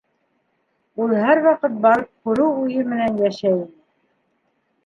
Ул һәр ваҡыт барып күреү уйы менән йәшәй ине.